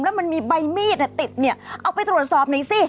แล้วมันมีใบมีดติดเนี่ยเอาไปตรวจสอบหน่อยสิ